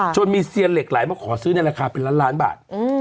จนมีเซียนเหล็กไหลมาขอซื้อในราคาเป็นล้านล้านบาท